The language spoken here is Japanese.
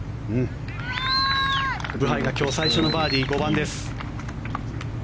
ブハイが今日、最初のバーディー５番です。